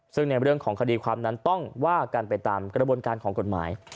ซึ่งในเรื่องของคดีความนั้นต้องว่ากันไปตามกระบวนการของกฎหมาย